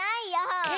え⁉